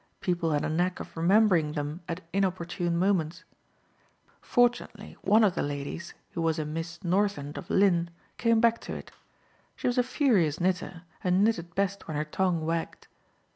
People had a knack of remembering them at inopportune moments. Fortunately one of the ladies, who was a Miss Northend of Lynn, came back to it. She was a furious knitter and knitted best when her tongue wagged.